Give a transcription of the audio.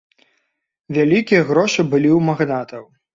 Вялікія грошы былі ў магнатаў.